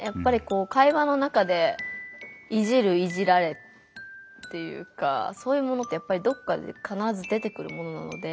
会話の中でいじる・いじられっていうかそういうものってやっぱりどっかで必ず出てくるものなので。